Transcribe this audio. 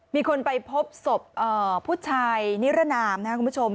มีคนไปพบศพผู้ชายนิรนามนะครับคุณผู้ชม